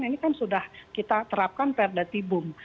ini kan sudah kita terapkan perdatibum